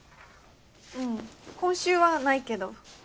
うん今週はないけど。